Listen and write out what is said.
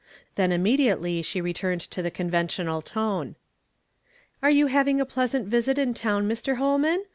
Then innnediately she returned to the conventional tone. " Are you having a pleasant visit in town, Mr. Holman?